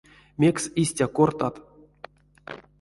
Мекс истя кортат?